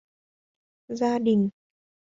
Gia đình